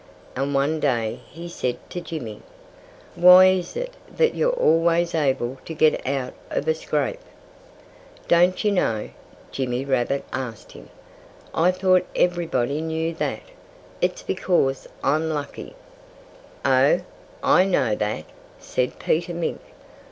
And one day he said to Jimmy: "Why is it that you're always able to get out of a scrape?" "Don't you know?" Jimmy Rabbit asked him. "I thought everybody knew that.... It's because I'm lucky." "Oh, I know that!" said Peter Mink.